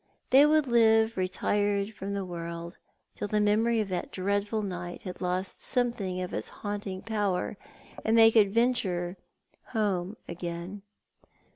They would live retired from the world, till the memory of that dreadful night had lost something of its haunting power, and they could venture home again.